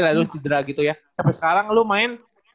lah lo sidra gitu ya sampai sekarang lo main